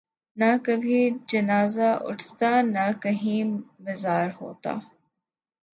نہ کبھی جنازہ اٹھتا نہ کہیں مزار ہوتا